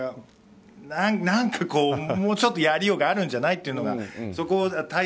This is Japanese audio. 何かもうちょっとやりようがあるんじゃないのっていうのが。